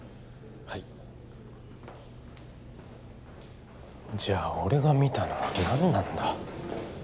はいじゃあ俺が見たのは何なんだ？